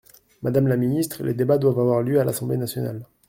Madame la ministre, les débats doivent avoir lieu à l’Assemblée nationale.